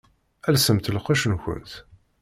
Elsemt lqecc-nkent!